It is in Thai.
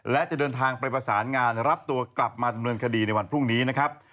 และจะเดินทางไปประสานงานรับตัวกลับมาดำเนินคดีในวันพรุ่งนี้นะครับ